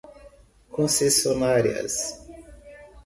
concessionárias